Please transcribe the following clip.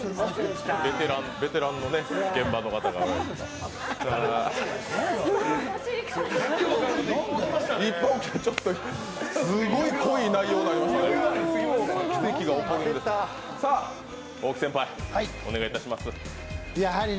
ベテランのね、現場の方がすごい濃い内容になりましたね。